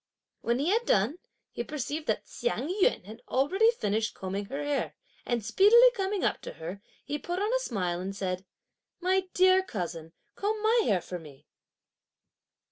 When he had done, he perceived that Hsiang yün had already finished combing her hair, and speedily coming up to her, he put on a smile, and said: "My dear cousin, comb my hair for me!"